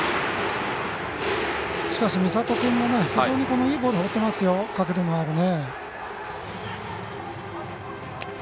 しかし美里君も非常にいいボール放ってますよ、角度もあるね。